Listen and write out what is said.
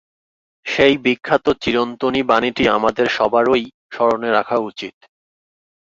সেই বিখ্যাত চিরন্তনী বাণীটি আমাদের সবারই স্মরণে রাখা উচিত।